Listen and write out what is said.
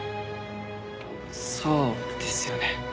そうですよね。